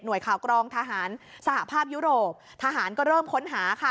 ข่าวกรองทหารสหภาพยุโรปทหารก็เริ่มค้นหาค่ะ